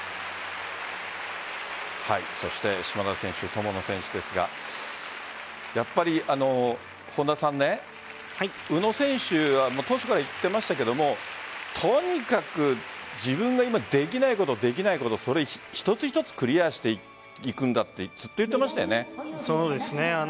そして島田選手友野選手ですがやはり本田さんね宇野選手は当初から言っていましたけどとにかく自分が今できないことできないことそれ一つ一つクリアしていくんだとそうですね。